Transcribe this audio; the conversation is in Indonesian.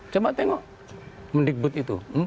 coba tengok mendikbut itu